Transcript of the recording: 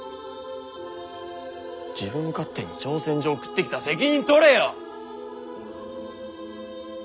自分勝手に挑戦状送ってきた責任取れよ！